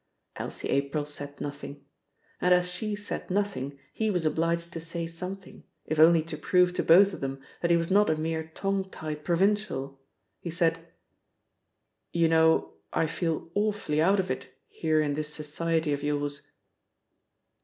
Elsie April said nothing. And as she said nothing he was obliged to say something, if only to prove to both of them that he was not a mere tongue tied provincial. He said: "You know I feel awfully out of it here in this society of yours!"